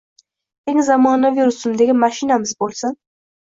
Eng zamonaviy rusumdagi mashinamiz bo’lsin.